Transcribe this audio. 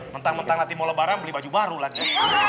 mentang mentang latihan mola barang beli baju baru lah ya